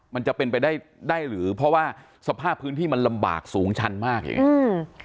มันจะเป็นไปได้ได้หรือเพราะว่าสภาพพื้นที่มันลำบากสูงชันมากอย่างเงี้อืม